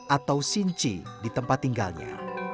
atau sinci di tempat tinggalnya